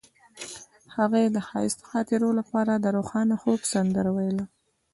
هغې د ښایسته خاطرو لپاره د روښانه خوب سندره ویله.